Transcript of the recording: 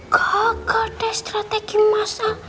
gagal deh strategi masa